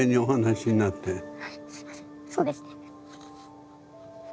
そうですね。